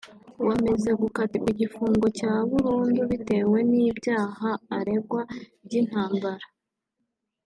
wameze gukatirwa igifungo cya burundu bitewe n’ibyaha aregwa by’intambara